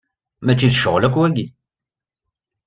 Mačči d ccɣel akk, wagi.